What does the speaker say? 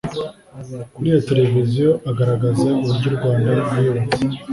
kuri iyo televiziyo agaragaza uburyo u Rwanda rwiyubatse